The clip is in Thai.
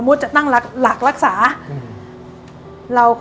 ตอนนี้ยังปกติของอันนั้น